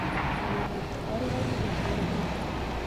که میندې قران ووايي نو زړه به تور نه وي.